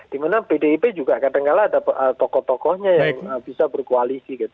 dimana pdip juga kadangkala ada tokoh tokohnya yang bisa berkoalisi